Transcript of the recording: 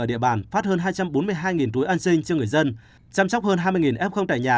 ở địa bàn phát hơn hai trăm bốn mươi hai túi ăn xin cho người dân chăm sóc hơn hai mươi ép không tải nhà